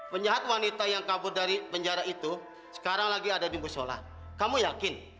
penjahat wanita yang kabur dari penjara itu sekarang lagi ada di musola kamu yakin